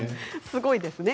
すごいですね。